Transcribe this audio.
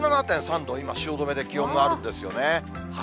１７．３度、今、汐留で気温があるんですよね。